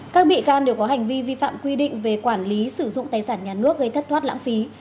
các bị can đều có hành vi vi phạm quy định về quản lý sử dụng tài sản nhà nước gây thất thoát lãng phí